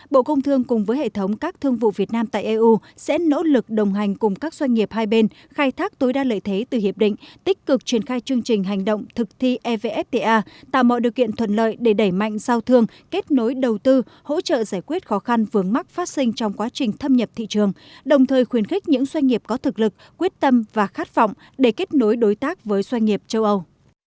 bộ công thương cùng với hệ thống các thương vụ việt nam tại eu sẽ nỗ lực đồng hành cùng các doanh nghiệp hai bên khai thác tối đa lợi thế từ hiệp định tích cực triển khai chương trình hành động thực thi evfta tạo mọi điều kiện thuận lợi để đẩy mạnh giao thương kết nối đầu tư hỗ trợ giải quyết khó khăn vướng mắc phát sinh trong quá trình thâm nhập thị trường đồng thời khuyến khích những doanh nghiệp có thực lực quyết tâm và khát vọng để kết nối đối tác với doanh nghiệp châu âu